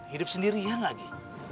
hidup sendirian lagi